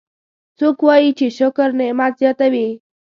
څوک وایي چې شکر نعمت زیاتوي